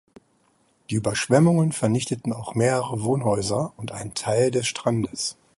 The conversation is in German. Die Überschwemmungen vernichteten auch mehrere Wohnhäuser und einen Teil des Strandes.